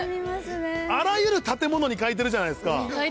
あらゆる建物に書いてるじゃないですか。